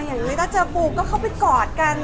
อย่างนี้ถ้าเจอปูก็เข้าไปกอดกัน